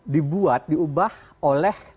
dibuat diubah oleh presiden